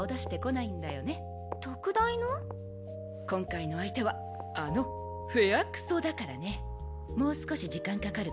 今回の相手はあの「フェアクソ」だからねもう少し時間かかるかも。